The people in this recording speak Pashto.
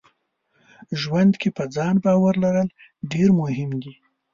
ژوند کې په ځان باور لرل ډېر مهم دي.